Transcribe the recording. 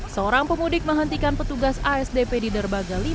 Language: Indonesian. seorang pemudik menghentikan petugas asdp di derbaga lima